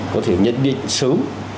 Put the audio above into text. có thể nhận định sớm